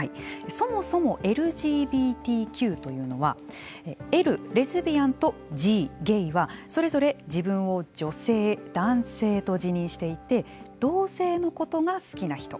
そもそもＬＧＢＴＱというのは「Ｌ」レズビアンと「Ｇ」ゲイはそれぞれ、自分を女性、男性と自認していて同性のことが好きな人。